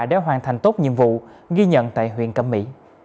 để hoàn thành tốt nhiệm vụ ghi nhận tại huyện cẩm mỹ